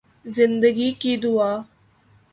زندگی کی دعا